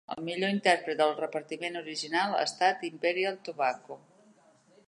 El millor intèrpret del repartiment original ha estat Imperial Tobacco.